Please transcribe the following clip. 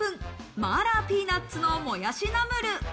麻辣ピーナッツのもやしナムル。